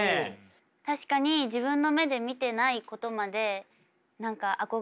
確かに自分の目で見てないことまで何か憧れを抱いていたり。